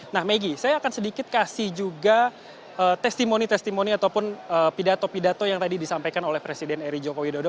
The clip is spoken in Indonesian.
nah maggie saya akan sedikit kasih juga testimoni testimoni ataupun pidato pidato yang tadi disampaikan oleh presiden eri joko widodo